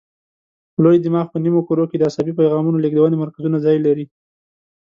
په لوی دماغ په نیمو کرو کې د عصبي پیغامونو لېږدونې مرکزونه ځای لري.